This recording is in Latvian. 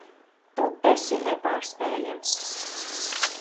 Tu esi nepārspējams.